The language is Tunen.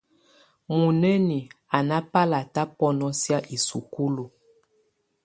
Muinǝ́ni á ná bálátá bɔ́nɔsɛ̀á isukulu.